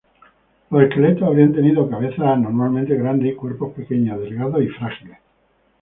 Los esqueletos habrían tenido cabezas anormalmente grandes y cuerpos pequeños, delgados y frágiles.